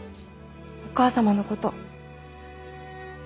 お母様のこと。